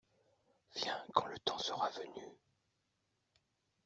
Viens quand le temps sera venu.